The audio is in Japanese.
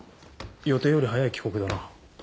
予定より早い帰国だな。